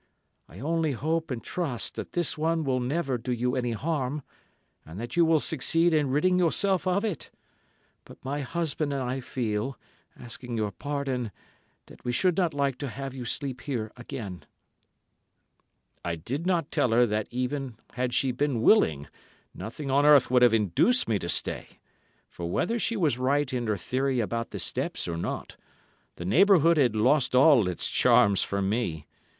I only hope and trust that this one will never do you any harm, and that you will succeed in ridding yourself of it, but my husband and I feel, asking your pardon, that we should not like to have you sleep here again." I did not tell her that even had she been willing, nothing on earth would have induced me to stay, for whether she was right in her theory about the steps or not, the neighbourhood had lost all its charms for me.